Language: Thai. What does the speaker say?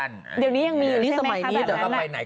เดี๋ยวนี้ยังมีอยู่ใช่มั้ย